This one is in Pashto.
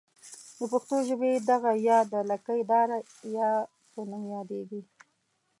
د پښتو ژبې دغه ۍ د لکۍ داره یا په نوم یادیږي.